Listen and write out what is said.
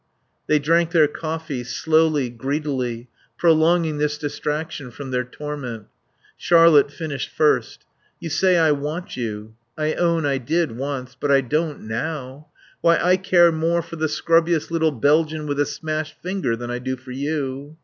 They drank their coffee, slowly, greedily, prolonging this distraction from their torment. Charlotte finished first. "You say I want you. I own I did once. But I don't now. Why, I care more for the scrubbiest little Belgian with a smashed finger than I do for you."